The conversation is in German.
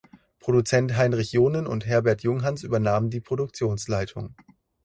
Produzent Heinrich Jonen und Herbert Junghanns übernahmen die Produktionsleitung.